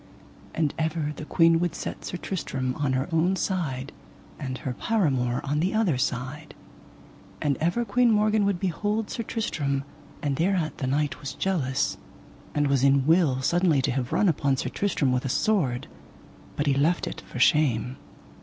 And ever the queen would set Sir Tristram on her own side, and her paramour on the other side. And ever Queen Morgan would behold Sir Tristram, and thereat the knight was jealous, and was in will suddenly to have run upon Sir Tristram with a sword, but he left it for shame.